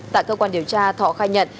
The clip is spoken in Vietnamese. tại cơ quan điều tra thọ khai nhận